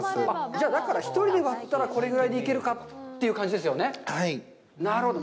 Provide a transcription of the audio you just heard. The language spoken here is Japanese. じゃあ、だから１人で割ったらこれぐらいでいけるかという感じですよね。